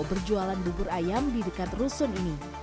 berjualan bubur ayam di dekat rusun ini